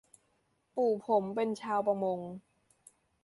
ปู่ผมเป็นชาวประมง